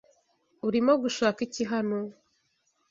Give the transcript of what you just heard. Urimo gushaka iki hano?